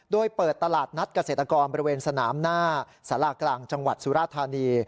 โดยเปิดตลาดนัดเกษตรกรบริเวณสนามหน้าสารากลางจังหวัดสุราธานี